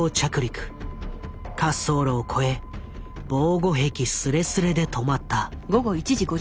滑走路を越え防護壁すれすれで止まった。